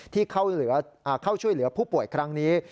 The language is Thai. ที่เข้าช่วยเหลือผู้ป่วยครั้งนี้